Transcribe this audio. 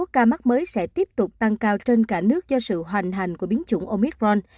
ca mắc mới sẽ tiếp tục tăng cao trên cả nước do sự hoành hành của biến chủng omicron